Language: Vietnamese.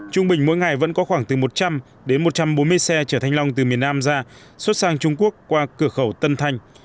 trung bình mỗi ngày vẫn có khoảng từ một trăm linh đến một trăm bốn mươi xe chở thanh long từ miền nam ra xuất sang trung quốc qua cửa khẩu tân thanh